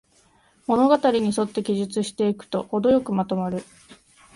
物語にそって記述していくと、ほどよくまとまる